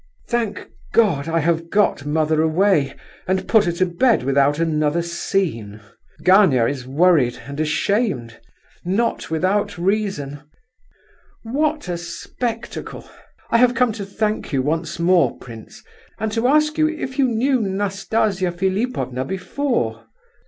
"Thank God, I have got mother away, and put her to bed without another scene! Gania is worried—and ashamed—not without reason! What a spectacle! I have come to thank you once more, prince, and to ask you if you knew Nastasia Philipovna before?"